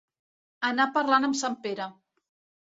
Anar parlant amb sant Pere.